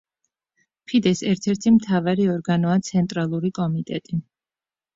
ფიდეს ერთ-ერთი მთავარი ორგანოა ცენტრალური კომიტეტი.